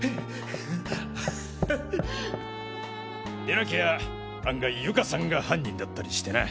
でなきゃ案外友嘉さんが犯人だったりしてな。